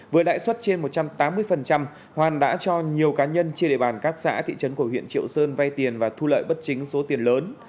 với lãi suất trên một trăm tám mươi hoàn đã cho nhiều cá nhân trên địa bàn các xã thị trấn của huyện triệu sơn vay tiền và thu lợi bất chính số tiền lớn